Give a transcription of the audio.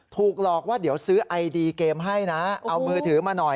ถูกหลอกว่าเดี๋ยวซื้อไอดีเกมให้นะเอามือถือมาหน่อย